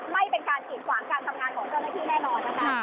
ไม่เป็นการกีดขวางการทำงานของเจ้าหน้าที่แน่นอนนะคะ